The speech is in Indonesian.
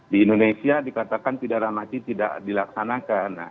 di indonesia dikatakan pidana mati tidak dilaksanakan